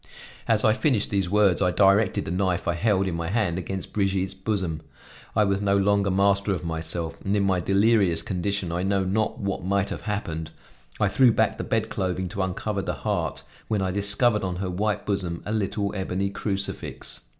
As I finished these words I directed the knife I held in my hand against Brigitte's bosom. I was no longer master of myself, and in my delirious condition I know not what might have happened; I threw back the bedclothing to uncover the heart, when I discovered on her white bosom a little ebony crucifix.